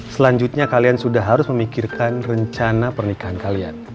selanjutnya kalian sudah harus memikirkan rencana pernikahan kalian